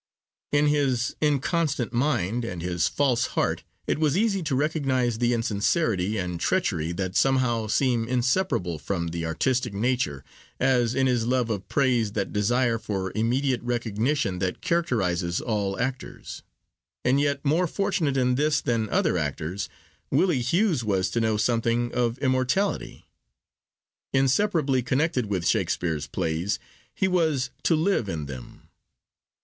In his 'inconstant mind' and his 'false heart,' it was easy to recognise the insincerity and treachery that somehow seem inseparable from the artistic nature, as in his love of praise that desire for immediate recognition that characterises all actors. And yet, more fortunate in this than other actors, Willie Hughes was to know something of immortality. Inseparably connected with Shakespeare's plays, he was to live in them.